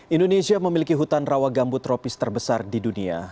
indonesia memiliki hutan rawa gambut tropis terbesar di dunia